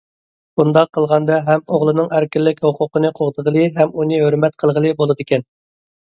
بۇنداق قىلغاندا، ھەم ئوغلىنىڭ ئەركىنلىك ھوقۇقىنى قوغدىغىلى ھەم ئۇنى ھۆرمەت قىلغىلى بولىدىكەن.